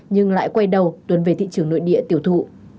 nhưng lại quay đầu tuần về thị trường nội địa tiêu thụ